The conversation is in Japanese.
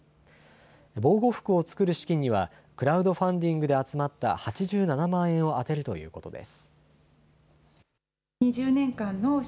防護服を作る資金には、クラウドファンディングで集まった８７万円を充てるということです。